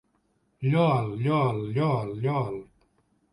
Lloa'l, lloa'l, lloa'l, lloa'l!